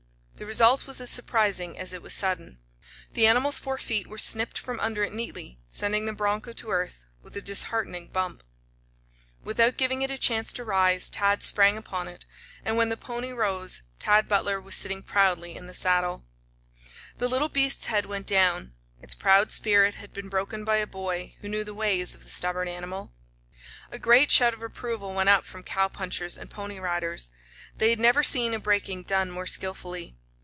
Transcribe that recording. The result was as surprising as it was sudden. The animal's four feet were snipped from under it neatly, sending the broncho to earth with a disheartening bump. [Illustration: Tad Gave the Rope a Quick, Rolling Motion.] Without giving it a chance to rise, Tad sprang upon it, and, when the pony rose, Tad Butler was sitting proudly in the saddle. The little beast's head went down. Its proud spirit had been broken by a boy who knew the ways of the stubborn animal. A great shout of approval went up from cowpunchers and Pony Riders. They had never seen a breaking done more skillfully.